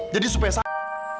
jadi supaya saya